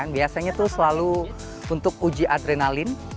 biasanya tuh selalu untuk uji adrenalin